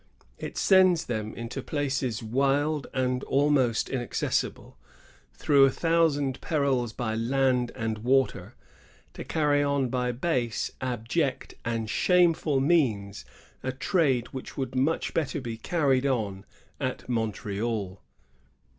It sends them into places wild and almost inaccessible, through a thou sand perils by land and water, to cany on by base, abject, and shameful means a trade which would much better be carried on at Montreal."